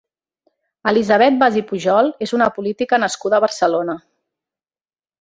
Elisabet Bas i Pujol és una política nascuda a Barcelona.